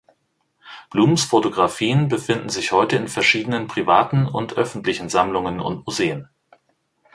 Blums Fotografien befinden sich heute in verschiedenen privaten und öffentlichen Sammlungen und Museen.